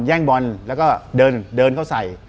แย่งบอลแล้วก็เดินเดินเข้าใส่